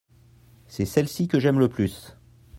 c'est celle-ci que j'aime le plus.